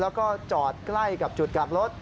แล้วก็จอดใกล้กับจุดกลับรถ